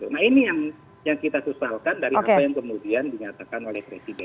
nah ini yang kita sesalkan dari apa yang kemudian dinyatakan oleh presiden